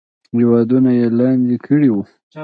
هیوادونه یې لاندې کړي وو.